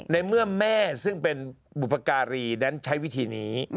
ในเมื่อแม่ซึ่งเป็นบุพการีนั้นใช้วิธีนี้